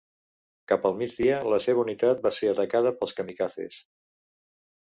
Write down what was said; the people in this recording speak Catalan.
Cap al migdia, la seva unitat va ser atacada pels "kamikazes".